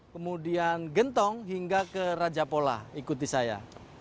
kemudian gentong hingga ke rajapola ikuti saya